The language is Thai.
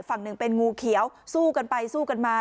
ฝั่งหนึ่งเป็นงูเขียวสู้กันไปสู้กันมา